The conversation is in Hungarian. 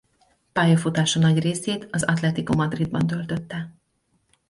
Pályafutása nagy részét az Atlético Madridban töltötte.